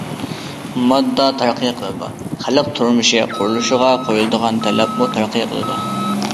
ماددا تەرەققىي قىلىدۇ، خەلق تۇرمۇشى قۇرۇلۇشىغا قويۇلىدىغان تەلەپمۇ تەرەققىي قىلىدۇ.